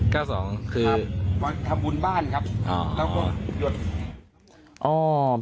เก้าสองคือวันทำบุญบ้านครับอ๋อแล้วก็หยดอ๋อ